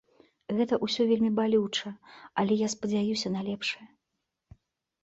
Гэта ўсё вельмі балюча, але я спадзяюся на лепшае.